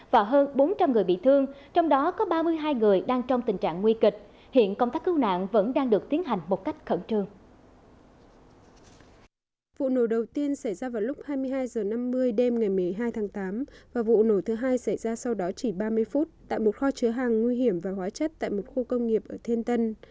vụ nổ đầu tiên xảy ra vào lúc hai mươi hai h năm mươi đêm ngày một mươi hai tháng tám và vụ nổ thứ hai xảy ra sau đó chỉ ba mươi phút tại một kho chứa hàng nguy hiểm và hóa chất tại một khu công nghiệp ở thiên tân